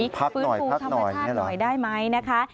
พักหน่อยนี่หรอฟื้นฟูคำวัติธาตุหน่อยได้ไหมนะคะ